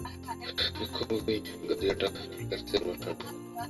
মুখোমুখি গদিআটা বেতের চেয়ার বসানো।